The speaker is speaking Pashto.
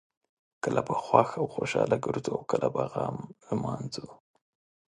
کله به خوښ او خوشحاله ګرځو او کله به غم لمانځو.